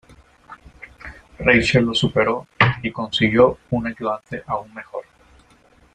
Rachel lo superó y consiguió un ayudante aún mejor.